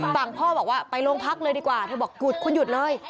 ฝั่งพ่อบอกว่าไปโรงพักเลยดีกว่าเธอบอกหยุดคุณหยุดเลย